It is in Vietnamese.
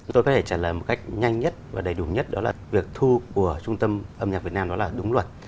tôi có thể trả lời một cách nhanh nhất và đầy đủ nhất đó là việc thu của trung tâm âm nhạc việt nam đó là đúng luật